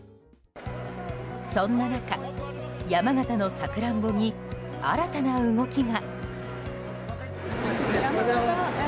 そんな中、山形のサクランボに新たな動きが。